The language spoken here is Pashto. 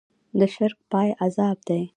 د شرک پای عذاب دی.